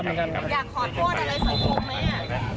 เสียงของหนึ่งในผู้ต้องหานะครับ